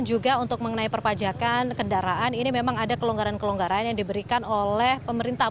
ini memang ada kelonggaran kelonggaran yang diberikan oleh pemerintahan ini memang ada kelonggaran kelonggaran yang diberikan oleh pemerintahan